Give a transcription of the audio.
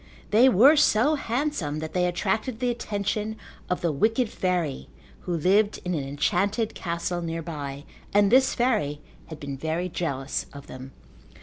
They were so handsome that they attracted the attention of the wicked fairy who lived in an enchanted castle nearby, and this fairy had been very jealous of them.